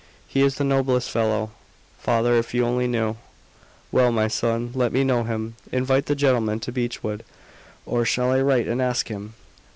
He is the noblest fellow. Father, if you only knew " "Well, my son, let me know him. Invite the gentleman to Beechwood; or shall I write and ask him?